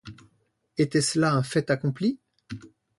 Était-ce là un fait accompli?